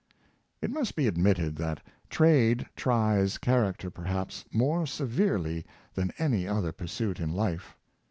It must be admitted, that trade tries character per haps more severely than any other pursuit in life.